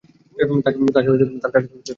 তাকে তার কাজ করতে দাও।